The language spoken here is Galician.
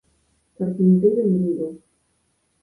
Carpinteiro en Vigo.